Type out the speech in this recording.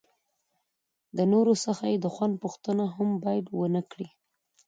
د نورو څخه یې د خوند پوښتنه هم باید ونه کړي.